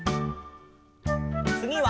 つぎは。